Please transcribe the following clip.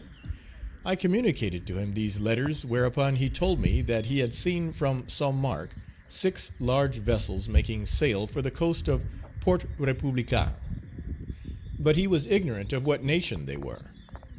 I communicated to him these letters, whereupon he told me that he had seen from St. Marc six large vessels making sail for the coast of Port Républicain; but he was ignorant of what nation they were.